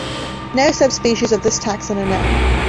No subspecies of this taxon are known.